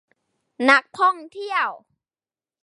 นักท่องเที่ยว